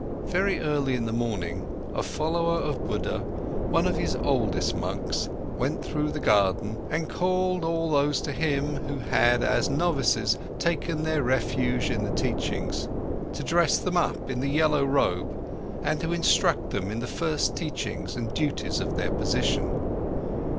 Very early in the morning, a follower of Buddha, one of his oldest monks, went through the garden and called all those to him who had as novices taken their refuge in the teachings, to dress them up in the yellow robe and to instruct them in the first teachings and duties of their position.